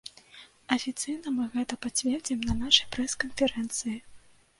Афіцыйна мы гэта пацвердзім на нашай прэс-канферэнцыі.